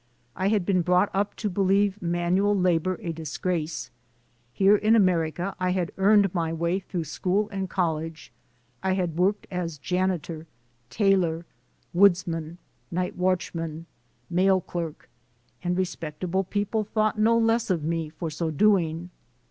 I had been brought up to believe manual labor a dis grace. Here in America I had earned my way through school and college; I had worked as jani tor, tailor, woodsman, night watchman, mail clerk, and respectable people thought no less of me for so MY AMERICAN EDUCATION 179 doing.